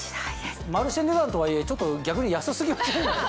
マルシェ値段とはいえちょっと逆に安過ぎません？